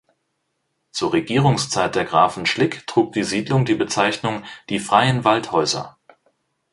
Zur Regierungszeit der Grafen Schlick trug die Siedlung die Bezeichnung "die freien Waldhäuser".